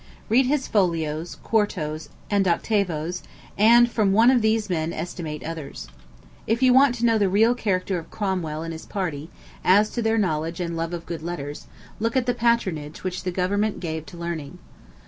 Read his folios, quartoes, and octavoes, and from one of these men estimate the others. If you want to know the real character of Cromwell and his party, as to their knowledge and love of good letters, look at the patronage which the government gave to learning.